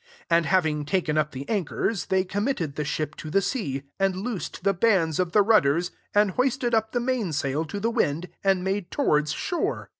40 And having taken up the anchors, they committed the Mfi to the sea, and loosed the bands of the rudders, and hoisted up the mainsail to the wind, and made towards shore.